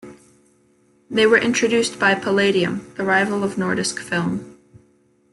They were introduced by Palladium, the rival of Nordisk Film.